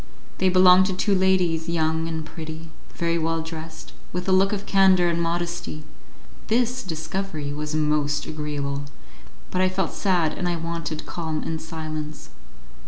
They belonged to two ladies, young and pretty, very well dressed, with a look of candour and modesty. This discovery was most agreeable, but I felt sad and I wanted calm and silence.